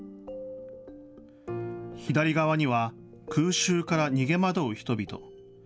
左側には空襲から逃げ惑う人々。